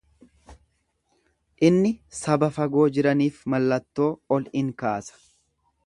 Inni saba fagoo jiraniif mallattoo ol in kaasa.